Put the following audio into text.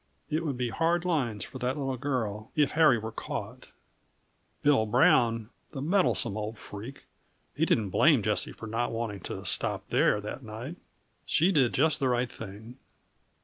It would be hard lines for that little girl if Harry were caught. Bill Brown, the meddlesome old freak! he didn't blame Jessie for not wanting to stop there that night. She did just the right thing.